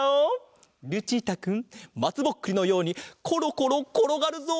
ルチータくんまつぼっくりのようにコロコロころがるぞ！